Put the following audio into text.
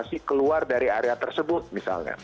masih keluar dari area tersebut misalnya